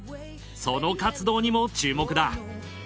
その活動にも注目だ。